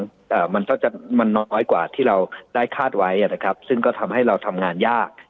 อ่ามันก็จะมันน้อยกว่าที่เราได้คาดไว้อ่ะนะครับซึ่งก็ทำให้เราทำงานยาก